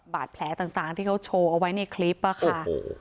บาดแผลต่างที่เขาโชว์เอาไว้ในคลิปอะค่ะ